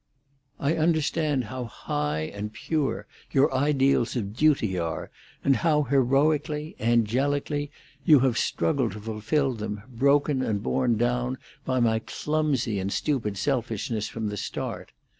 I understand how high and pure your ideals of duty are, and how heroically, angelically, you have struggled to fulfil them, broken and borne down by my clumsy and stupid selfishness from the start.